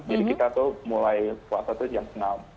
jadi kita tuh mulai puasa tuh jam enam belas